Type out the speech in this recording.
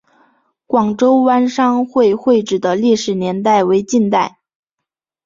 广州湾商会会址的历史年代为近代。